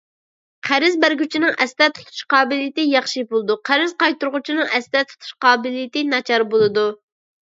قەرز بەرگۈچىنىڭ ئەستە تۇتۇش قابىلىيىتى ياخشى بولىدۇ، قەرز قايتۇرغۇچىنىڭ ئەستە تۇتۇش قابىلىيىتى ناچار بولىدۇ.